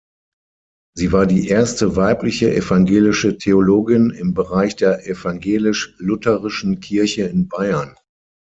Sie war die erste weibliche, evangelische Theologin im Bereich der Evangelisch-Lutherischen Kirche in Bayern.